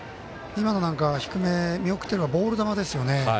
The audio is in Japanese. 今のなんかは低め見送ってたのはボール球ですよね。